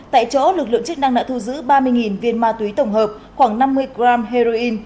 tại chỗ lực lượng chức năng đã thu giữ ba mươi viên ma túy tổng hợp khoảng năm mươi g heroin